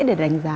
để đánh giá